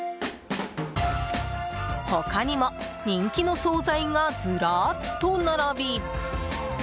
他にも人気の総菜がずらーっと並び。